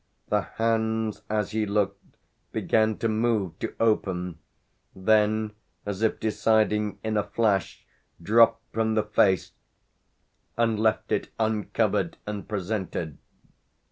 The hands, as he looked, began to move, to open; then, as if deciding in a flash, dropped from the face and left it uncovered and presented.